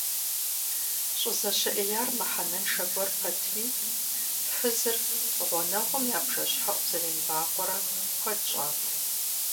ЩӀызэщыӀеяр мыхьэнэншэ гуэр пэтми, фызыр гъунэгъум я бжэщхьэӀу зэремыбакъуэрэ куэд щӀат.